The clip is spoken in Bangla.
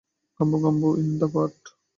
গাম্বো গাম্বো ইন দা পট।